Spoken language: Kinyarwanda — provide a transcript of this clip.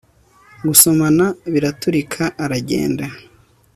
gusomana biraturika, aragenda